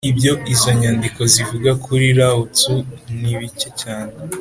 ibyo izo nyandiko zivuga kuri lao-tzu ni bike cyane